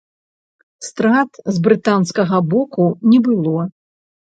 Страт з брытанскага боку не было.